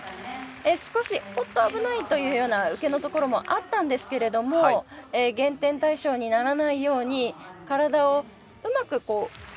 少しおっと危ない！というような受けのところもあったんですけれども減点対象にならないように体をうまく位置を動かしてですね